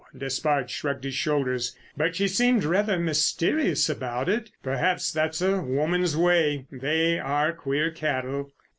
"—Despard shrugged his shoulders—"but she seemed rather mysterious about it. Perhaps that's a woman's way. They are queer cattle."